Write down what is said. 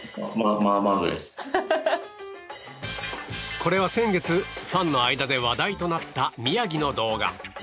これは先月ファンの間で話題となった宮城の動画。